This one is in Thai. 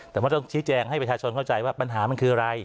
แต่ว่าต้องชี้แจงให้ประชาชนเข้าใจว่าปัญหามันคืออะไร